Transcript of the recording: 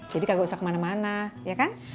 jadi kagak usah kemana mana iya kan